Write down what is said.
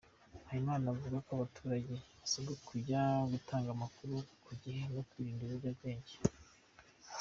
Habimana avuga ko abaturage basabwe kujya batanga amakuru ku gihe no kwirinda ibiyobyabwenge.